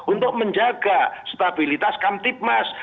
untuk menjaga stabilitas kamtipmas